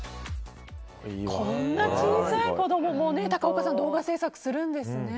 こんな小さい子供も高岡さん、動画制作するんですね。